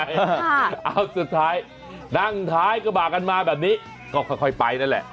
เอาสุดท้ายนั่งท้ายกระบะกันมาแบบนี้ก็ค่อยไปนั่นแหละ